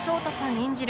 演じる